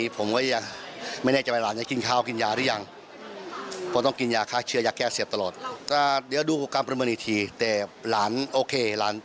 ผมขับรถแค่๖๗ชั่วโมงก็ถึงสุรินทร์แล้ว